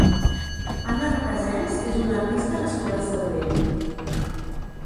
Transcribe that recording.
Anna Recasens és una artista nascuda a Sabadell.